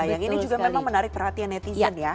yang ini juga memang menarik perhatian netizen ya